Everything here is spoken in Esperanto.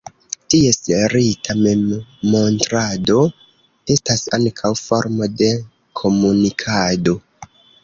Ties rita memmontrado estas ankaŭ formo de komunikado.